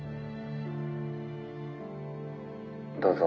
「どうぞ」。